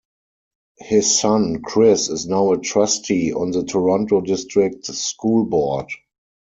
His son Chris is now a trustee on the Toronto District School Board.